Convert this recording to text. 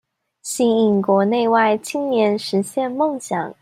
吸引國內外青年實現夢想